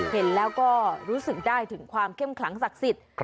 เห็นแล้วก็รู้สึกได้ถึงความเข้มขลังศักดิ์สิทธิ์